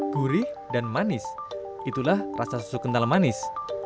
gurih dan manis itulah rasa susu kental manis